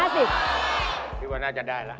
๕๐จีบว่าน่าจะได้เลย